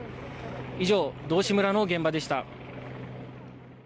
以上、道志村の現場でした。